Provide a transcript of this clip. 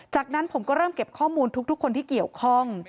จากนั้นผมก็เริ่มเก็บข้อมูลทุกคนที่เกี่ยวข้อง